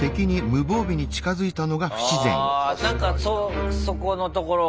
あなんかそこのところが。